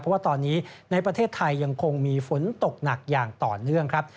เพราะว่าตอนนี้ในประเทศไทยยังคงมีฝนตกหนักอย่างต่อเนื่องครับ